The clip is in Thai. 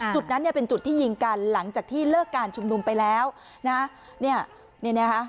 จุดนั้นเนี่ยเป็นจุดที่ยิงกันหลังจากที่เลิกการชุมนุมไปแล้วนะเนี่ยเนี่ยนะคะ